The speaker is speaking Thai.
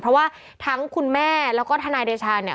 เพราะว่าทั้งคุณแม่แล้วก็ทนายเดชาเนี่ย